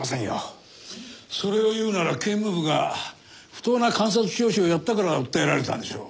それを言うなら警務部が不当な監察聴取をやったから訴えられたんでしょう。